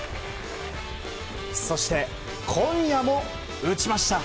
そして、今夜も打ちました。